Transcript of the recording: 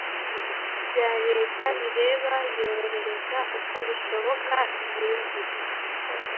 bya leta bireba yorohereza uko bishoboka iyinjira